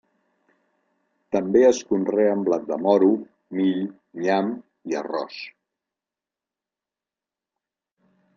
També es conreen blat de moro, mill, nyam i arròs.